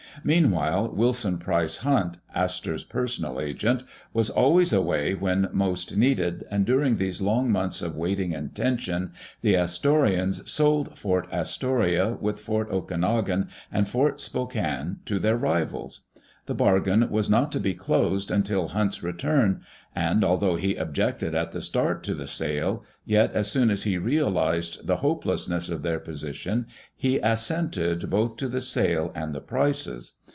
Meanwhile, Wilson Price Hunt, Astor's personal agent, was always away when most needed, and during these long months of waiting and tension, the Astorians sold Fort Astoria, with Fort Okanogan and Fort Spo kane, to their rivals. The bargain was not to be closed until Hunt's return, and although he objected at the start to the sale, yet as soon as he realized the hopelessness of their position, he assented both to the sale and the prices.